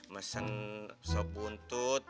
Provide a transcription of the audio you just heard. mbak pesen sop buntut